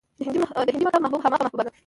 د هندي مکتب محبوب همغه محبوبه ده